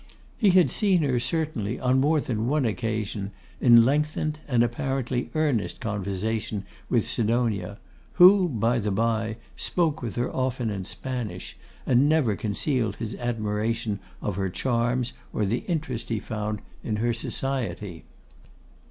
He had seen her certainly on more than one occasion in lengthened and apparently earnest conversation with Sidonia, who, by the bye, spoke with her often in Spanish, and never concealed his admiration of her charms or the interest he found in her society.